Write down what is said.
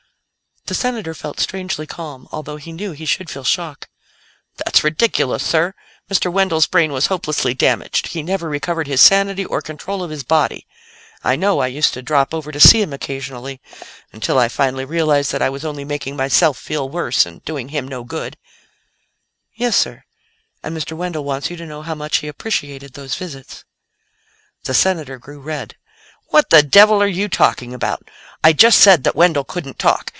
The Senator felt strangely calm, although he knew he should feel shock. "That's ridiculous, sir! Mr. Wendell's brain was hopelessly damaged; he never recovered his sanity or control of his body. I know; I used to drop over to see him occasionally, until I finally realized that I was only making myself feel worse and doing him no good." "Yes, sir. And Mr. Wendell wants you to know how much he appreciated those visits." The Senator grew red. "What the devil are you talking about? I just said that Wendell couldn't talk.